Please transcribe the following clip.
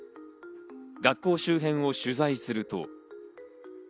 学校周辺を取材すると。